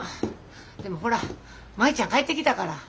でもほら舞ちゃん帰ってきたから。